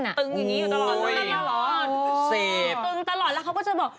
ตึงอย่างนี้อยู่ตลอดึงตลอดแล้วเขาก็จะบอก